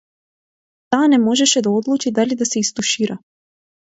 Таа не можеше да одлучи дали да се истушира.